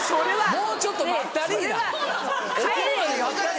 もうちょっと待ったりぃな。